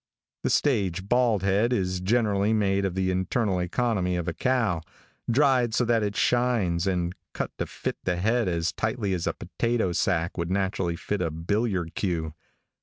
The stage bald head is generally made of the internal economy of a cow, dried so that it shines, and cut to fit the head as tightly as a potatoe sack would naturally fit a billiard cue.